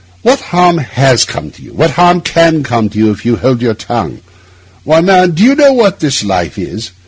What harm has come to you? What harm can come to you if you hold your tongue? Why, man, do you know what this life is?